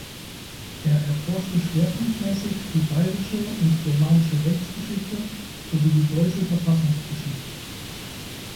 Er erforschte schwerpunktmäßig die bayerische und germanische Rechtsgeschichte sowie die deutsche Verfassungsgeschichte.